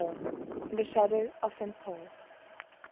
IN THE SHADOW OF ST. PAUL'S.